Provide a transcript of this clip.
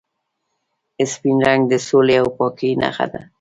سپین رنګ د سولې او پاکۍ نښه ده.